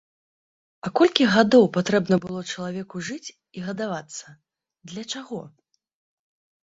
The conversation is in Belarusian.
А колькі гадоў патрэбна было чалавеку жыць і гадавацца, для чаго?